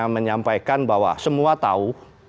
menyampaikan bahwa semua tahu